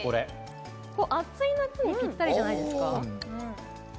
暑い夏にぴったりじゃないですか？